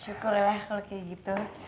syukurlah kalau kayak gitu